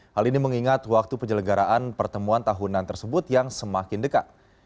hal ini mengingat waktu penyelenggaraan pertemuan tahunan tersebut yang semakin dekat